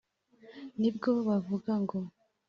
ni bwo bavuga ngo :«